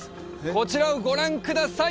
こちらをご覧ください！